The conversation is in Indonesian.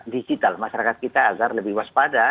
digital masyarakat kita agar lebih waspada